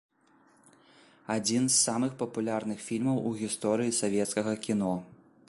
Адзін з самых папулярных фільмаў у гісторыі савецкага кіно.